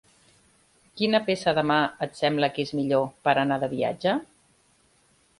Quina peça de mà et sembla que és millor per anar de viatge?